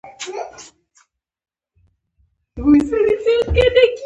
پر هر هغه څه ملنډې وهي.